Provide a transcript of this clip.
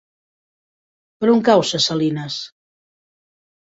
Per on cau Ses Salines?